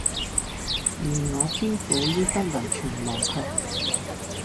而我偏苦于不能全忘卻，